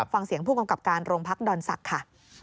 ฟังเสียงผู้กำกับการโรงพักดอนศักดิ์ค่ะ